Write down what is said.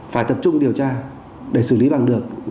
phải tập trung điều tra để xử lý bằng được